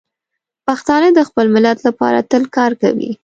پښتانه د خپل ملت لپاره تل کار کوي.